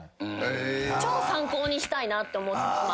超参考にしたいなって思います。